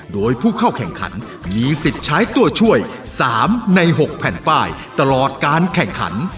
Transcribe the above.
โดยผู้เข้าแข่งขันมีสิทธิ์ใช้ตัวช่วย๓ใน๖แผ่นป้ายตลอดการแข่งขัน